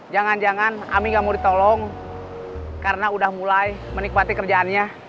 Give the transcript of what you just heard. jangan jangan ami gak mau ditolong karena udah mulai menikmati kerjaannya